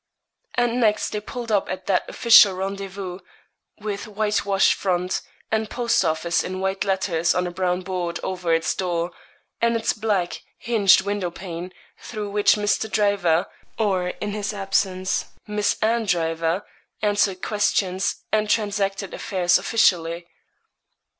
And next they pulled up at that official rendezvous, with white washed front and 'post office,' in white letters on a brown board over its door, and its black, hinged window pane, through which Mr. Driver or, in his absence, Miss Anne Driver answered questions, and transacted affairs officially.